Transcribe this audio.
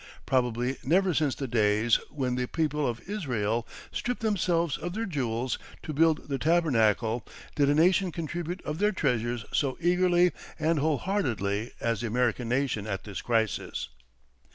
Probably never since the days when the people of Israel stripped themselves of their jewels to build the tabernacle, did a nation contribute of their treasures so eagerly and whole heartedly as the American nation at this crisis.